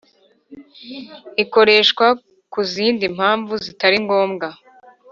ikoreshwa ku zindi mpamvu zitari ngombwa